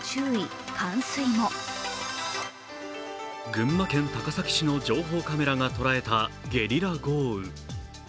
群馬県高崎市の情報カメラが捉えたゲリラ豪雨。